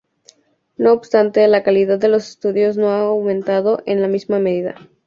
No obstante, la calidad de los estudios no ha aumentado en la misma medida.